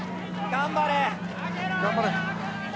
頑張れ！